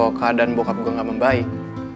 kalau keadaan bokap gue gak membaik